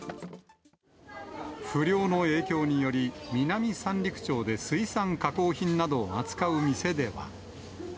不漁の影響により、南三陸町で水産加工品などを扱う店では。